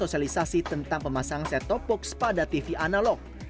sosialisasi tentang pemasangan set top box pada tv analog